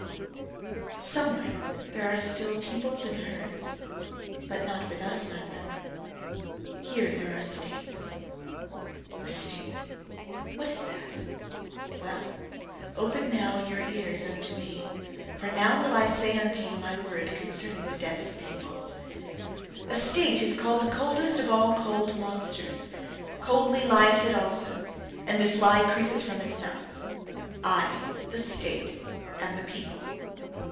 Somewhere there are still peoples and herds, but not with us, my brethren: here there are states. A state? What is that? Well! open now your ears unto me, for now will I say unto you my word concerning the death of peoples. A state, is called the coldest of all cold monsters. Coldly lieth it also; and this lie creepeth from its mouth: "I, the state, am the people."